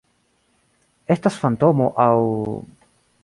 Estas fantomo aŭ...